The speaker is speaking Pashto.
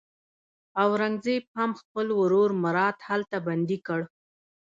اورنګزېب هم خپل ورور مراد هلته بندي کړ.